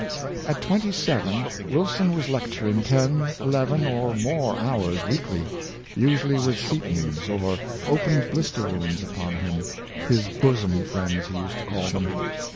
At twenty seven, Wilson was lecturing ten, eleven, or more hours weekly, usually with setons or open blis ter wounds upon him — his "bosom friends," he used to call them.